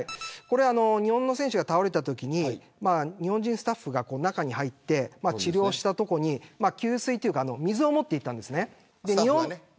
日本人の選手が倒れたときに日本人スタッフが中に入って治療したところに給水というか水を持っていったんですね。